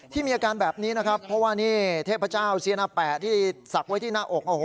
ที่มีอาการแบบนี้นะครับเพราะว่าเทพเจ้าเสียหน้าแปะที่สับไว้ที่หน้าอก